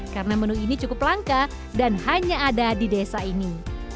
karena menu ini cukup langka dan hanya ada di desa ini